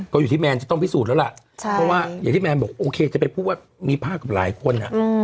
ก็อยู่ที่แมนที่ต้องพิสูจน์แล้วละ